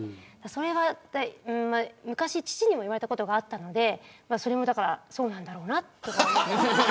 昔、父にも言われたことがあったのでそれもそうなんだろうなと。